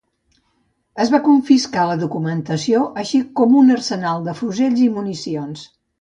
Es va confiscar la documentació, així com un arsenal de fusells i municions.